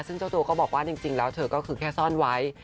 ซึ่งเจ้าตัวก็บอกว่าจริงแล้วเธอก็คือแค่ซ่อนไว้